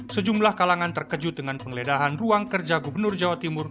sejumlah kalangan terkejut dengan penggeledahan ruang kerja gubernur jawa timur